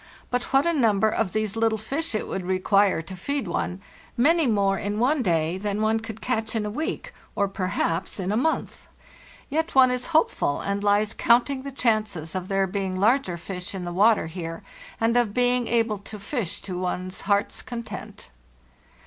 But what a number of these little fish it would require to feed one; many more in one day than one could catch in a week, or perhaps in a month! Yet one is hopeful, and lies counting the chances of there being larger fish in the water here, and of being able to fish to one's heart's content.